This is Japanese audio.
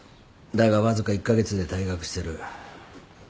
だがわずか１カ月で退学してる。